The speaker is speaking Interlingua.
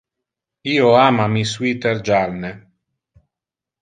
Io ama mi sweater jalne.